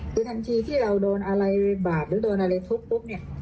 คือทั้งทีที่เราโดนอะไรบาดหรือโดนอะไรทุกข์